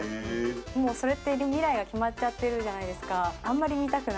もうそれって未来が決まっちゃってるじゃないですか。